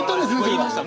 言いました。